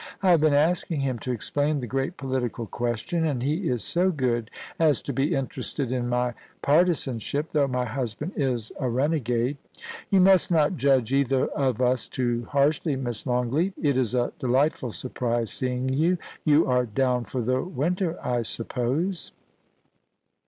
I have been asking him to ex plain the great political question, and he is so good as to be interested in my partisanship, though my husband is a rene gade. You must not judge either of us too harshly, Miss Longleat It is a delightful surprise, seeing you. You are down for the winter, I suppose